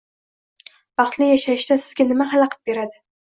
Baxtli yashashda sizga nima xalaqit beradi?